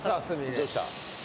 どうした？